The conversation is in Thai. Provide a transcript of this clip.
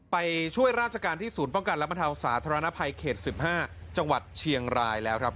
ไปช่วยราชการที่ศูนย์ป้องกันและบรรเทาสาธารณภัยเขต๑๕จังหวัดเชียงรายแล้วครับ